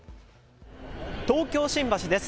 東京新橋です。